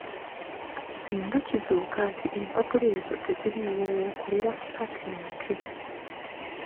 Singa kizuuka nti empapula ezo teziriiwo w’okolera sitaatimenti.